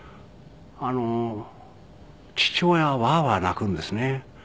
あの父親はワーワー泣くんですね。